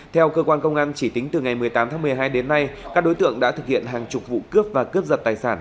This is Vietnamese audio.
theo cơ quan công an chỉ tính từ ngày một mươi tám tháng một mươi hai đến nay các đối tượng đã thực hiện hàng chục vụ cướp và cướp giật tài sản